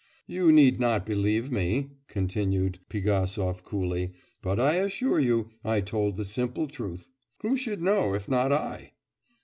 'You need not believe me,' continued Pigasov coolly, 'but I assure you I told the simple truth. Who should know if not I?